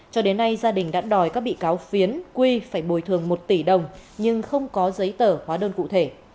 cho đến nay gia đình đã đòi các bị cáo phiến quy phải bồi thường một tỷ đồng nhưng không có giấy tờ hóa đơn cụ thể